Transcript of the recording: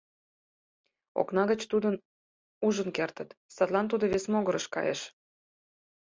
Окна гыч тудым ужын кертыт, садлан тудо вес могырыш кайыш.